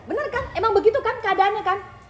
bener kan emang begitu kan keadaannya kan